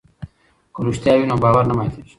که رښتیا وي نو باور نه ماتیږي.